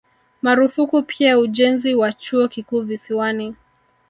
Marufuku pia ujenzi wa Chuo Kikuu Visiwani